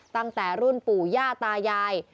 ตั้งแต่รุ่นปู่ย่าตายาย